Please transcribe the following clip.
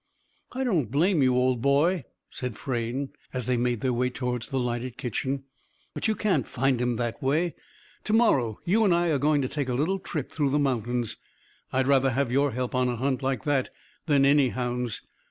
"I don't blame you, old boy," said Frayne, as they made their way towards the lighted kitchen. "But you can't find him that way. To morrow you and I are going to take a little trip through the mountains. I'd rather have your help on a hunt like that than any hound's.